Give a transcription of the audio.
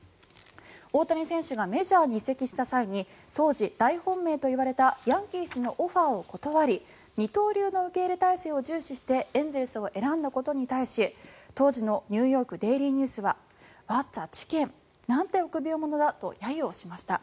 大谷選手がメジャーに移籍した際に当時、大本命と言われたヤンキースのオファーを断り二刀流の受け入れ態勢を重視してエンゼルスを選んだことに対し当時のニューヨークデイリーニュースはＷＨＡＴＡＣＨＩＣＫＥＮなんて臆病者だと揶揄をしました。